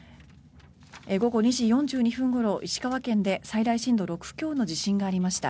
午後２時４２分ごろ石川県で最大震度６強の地震がありました。